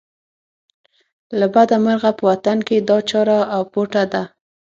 له بده مرغه په وطن کې دا چاره اپوټه ده.